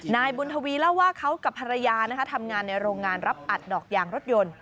นายบุญทวีเล่าว่าเขากับภรรยาทำงานในโรงงานรับอัดดอกยางรถยนต์